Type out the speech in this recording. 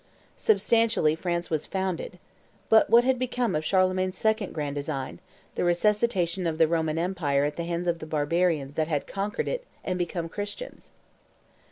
Substantially France was founded. But what had become of Charlemagne's second grand design, the resuscitation of the Roman empire at the hands of the barbarians that had conquered it and become Christians?